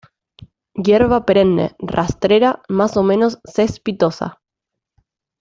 Hierba perenne, rastrera, más o menos cespitosa.